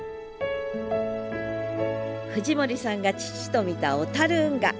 藤森さんが父と見た小運河。